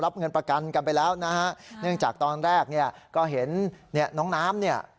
เงินประกันกันไปแล้วนะฮะเนื่องจากตอนแรกเนี่ยก็เห็นเนี่ยน้องน้ำเนี่ย